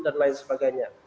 dan lain sebagainya